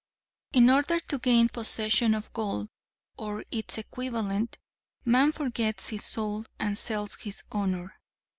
In order to gain possession of gold or its equivalent man forgets his soul and sells his honor.